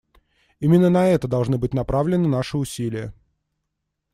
Именно на это должны быть направлены наши усилия.